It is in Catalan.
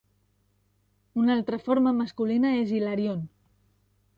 Una altra forma masculina és Hilarion.